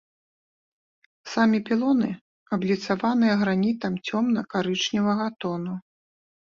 Самі пілоны абліцаваныя гранітам цёмна-карычневага тону.